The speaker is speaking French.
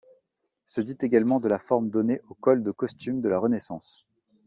Se dit également de la forme donnée au col de costumes de la Renaissance.